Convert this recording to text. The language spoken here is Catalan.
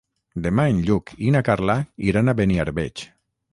Demà en Lluc i na Carla iran a Beniarbeig.